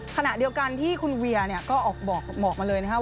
ขนาดเดียวกันที่คุณเวียก็ออกบอกมาเลยนะครับ